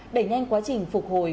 đẩy nhanh quá trình phục hồi